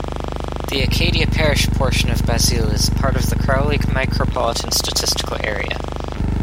The Acadia Parish portion of Basile is part of the Crowley Micropolitan Statistical Area.